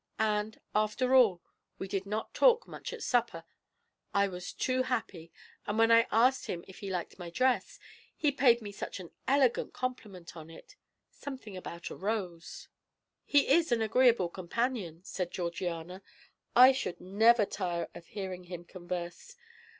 And, after all, we did not talk much at supper; I was too happy, but when I asked him if he liked my dress, he paid me such an elegant compliment on it something about a rose." "He is a most agreeable companion," said Georgiana. "I should never tire of hearing him converse.